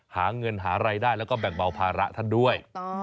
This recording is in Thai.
หาเงินหารายได้แล้วก็แบ่งเบาภาระท่านด้วย